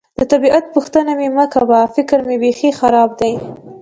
د طبیعت پوښتنه مې مه کوه، فکر مې بېخي خراب دی.